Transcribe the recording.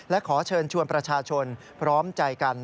และขอเชิญชวนประชาชนพร้อมใจกัน